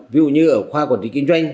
ví dụ như ở khoa quản lý kinh doanh